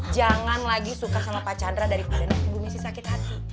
jangan lagi suka sama pak chandra daripada ibu misi sakit hati